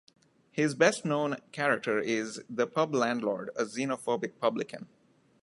His best-known character is "The Pub Landlord", a xenophobic publican.